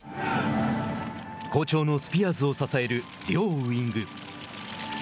好調のスピアーズを支える両ウイング。